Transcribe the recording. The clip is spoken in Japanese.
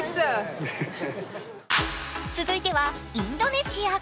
続いては、インドネシア。